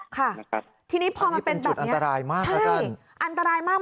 ค่ะทีนี้พอมาเป็นแบบนี้ใช่อันตรายมาก